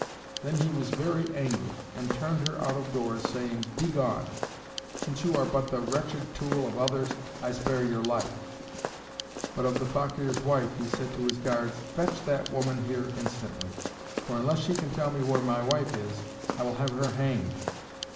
Then he was very angry and turned her out of doors, saying, "Begone; since you are but the wretched tool of others, I spare your life." But of the Fakeer's wife he said to his guards, "Fetch that woman here instantly; for unless she can tell me where my wife is, I will have her hanged."